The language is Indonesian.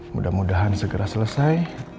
mudah mudahan segera selesai